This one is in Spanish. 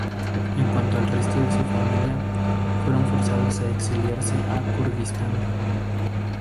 En cuanto al resto de su familia, fueron forzados a exiliarse a Kirguistán.